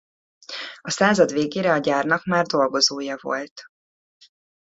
A század végére a gyárnak már dolgozója volt.